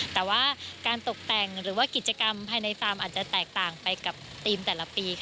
แต่ว่าการตกแต่งหรือว่ากิจกรรมภายในฟาร์มอาจจะแตกต่างไปกับธีมแต่ละปี